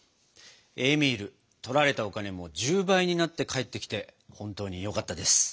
エーミールとられたお金も１０倍になって返ってきて本当によかったです。